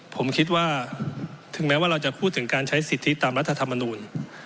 ผมคิดว่าถึงแม้ว่าเราจะพูดถึงการใช้สิทธิตามรัฐธรรมนูล